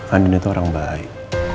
andien itu orang baik